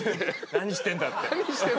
何してんだって。